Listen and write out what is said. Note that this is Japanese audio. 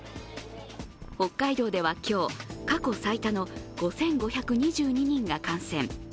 北海道では今日、過去最多の５５２２人が感染。